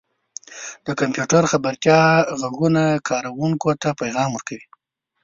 • د کمپیوټر خبرتیا ږغونه کاروونکو ته پیغام ورکوي.